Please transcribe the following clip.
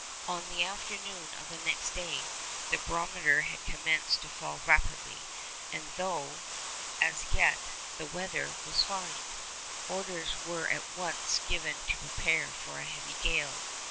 On the afternoon of the next day, the barometer had commenced to fall rapidly; and though, as yet, the weather was fine, orders were at once given to prepare for a heavy gale.